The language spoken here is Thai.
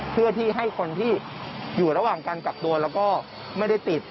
เพื่อที่ให้คนที่อยู่ระหว่างการกักตัวแล้วก็ไม่ได้ติด